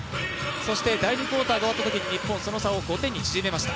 そして第２クオーターが終わったときに日本、その差を５点に縮めました。